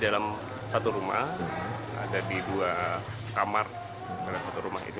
dalam satu rumah ada di dua kamar dalam satu rumah itu